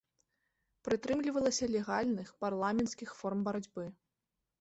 Прытрымлівалася легальных, парламенцкіх форм барацьбы.